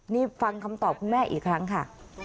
นี่ฟังคำตอบคุณแม่อีกครั้งค่ะ